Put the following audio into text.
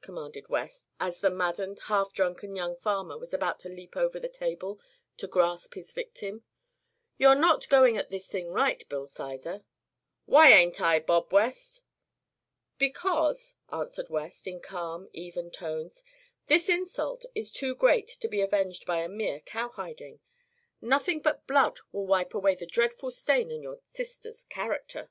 commanded West, as the maddened, half drunken young farmer was about to leap over the table to grasp his victim; "you're not going at this thing right, Bill Sizer." "Why ain't I, Bob West?" "Because," answered West, in calm, even tones, "this insult is too great to be avenged by a mere cowhiding. Nothing but blood will wipe away the dreadful stain on your sister's character."